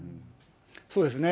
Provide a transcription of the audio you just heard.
そうですね。